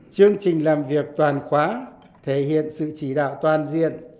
chương trình làm việc toàn khóa thể hiện sự chỉ đạo toàn diện